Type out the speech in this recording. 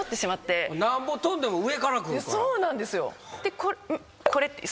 そうなんですよ。